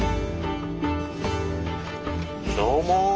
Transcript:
どうも。